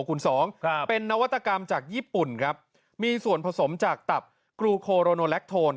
คุณสองครับเป็นนวัตกรรมจากญี่ปุ่นครับมีส่วนผสมจากตับกรูโคโรโนแลคโทน